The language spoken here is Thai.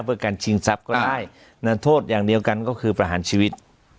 เพื่อการชิงทรัพย์ก็ได้โทษอย่างเดียวกันก็คือประหารชีวิต